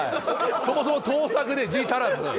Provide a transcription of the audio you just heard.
そもそも盗作で字足らず。